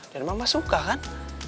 dan mama suka kan